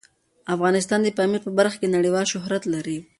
افغانستان د پامیر په برخه کې نړیوال شهرت لري.